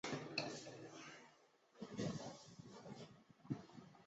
目前联盟号大约每六个月运送太空人上下国际太空站。